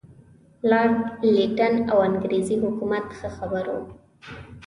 لارډ لیټن او انګریزي حکومت ښه خبر وو.